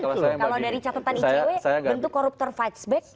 kalau dari catatan icw bentuk koruptor fight back